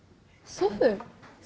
祖父？